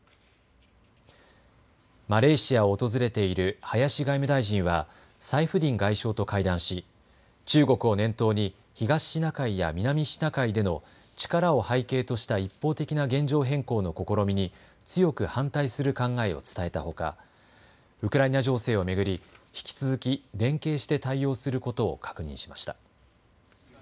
マレーシアを訪れている林外務大臣はサイフディン外相と会談し中国を念頭に東シナ海や南シナ海での力を背景とした一方的な現状変更の試みに強く反対する考えを伝えたほかウクライナ情勢を巡り引き続き連携して対応することを確認しました。